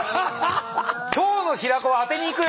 今日の平子は当てにいくよ！